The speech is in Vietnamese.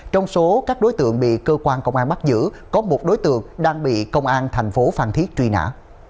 trong số các đối tượng bị cơ quan công an bắt giữ có một đối tượng đang bị công an thành phố phan thiết truy nã